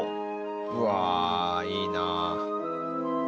うわいいなあ。